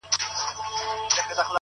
تار کي د هنر پېلي سپیني ملغلري دي,